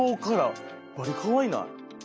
バリかわいない？